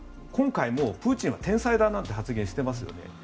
今回もプーチンは天才だなんて発言をしていますよね。